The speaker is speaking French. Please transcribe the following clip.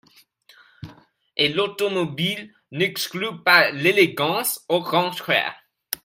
Et l’automobile n’exclut pas l’élégance, au contraire !